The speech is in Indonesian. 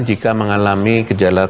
jika mengalami kejalaan